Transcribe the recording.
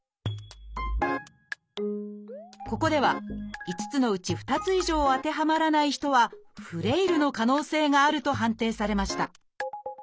ここでは５つのうち２つ以上当てはまらない人はフレイルの可能性があると判定されました